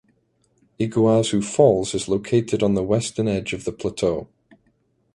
Iguazu Falls is located on the western edge of the plateau.